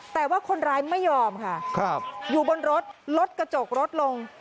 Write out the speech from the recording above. แต่ว่าคนร้ายไม่ยอมค่ะอยู่บนรถลดกระจกรถลง